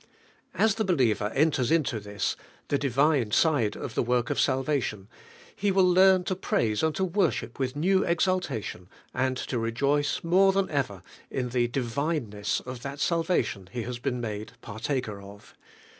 As the believer enters into this, the Divine side of the work of salvation, he QOD HIMSELF HAS UNITED YOU TO HIM. 53 will learn to praise and to worship with new exulta tion, and to rejoice more than ever in the divineness of that salvation he has been made partaker of.